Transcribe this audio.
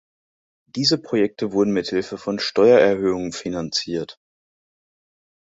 Diese Projekte wurden mit Hilfe von Steuererhöhungen finanziert.